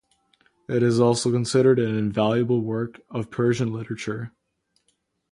It is also considered an invaluable work of Persian literature.